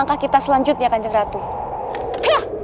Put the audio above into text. nah mau kemana kamu neng ula